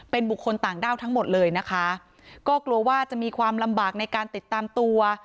เป็นบุคคลต่างด้าวทั้งหมดเลยนะคะก็กลัวว่าจะมีความลำบากในการติดตามตัว